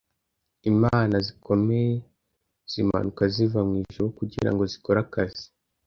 Imana zikomeye zimanuka ziva mwijuru kugirango zikore akazi?